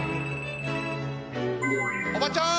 おばちゃん！